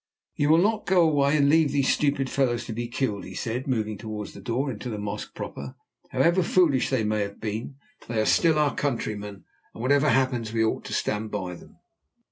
"You will not go away and leave those stupid fellows to be killed?" he said, moving towards the door into the mosque proper. "However foolish they may have been, they are still our countrymen, and whatever happens we ought to stand by them."